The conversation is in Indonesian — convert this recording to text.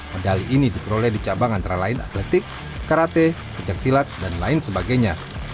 medali ini diperoleh di cabang antara lain atletik karate pencaksilat dan lain sebagainya